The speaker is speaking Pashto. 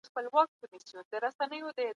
هر څوک د عدالت غوښتلو حق لري.